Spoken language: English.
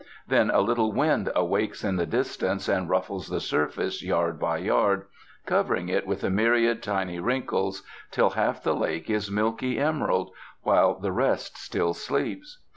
Then a little wind awakes in the distance, and ruffles the surface, yard by yard, covering it with a myriad tiny wrinkles, till half the lake is milky emerald, while the rest still sleeps.